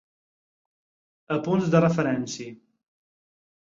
Apunts de referència.